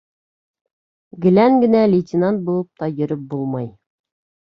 Гелән генә лейтенант булып та йөрөп булмай.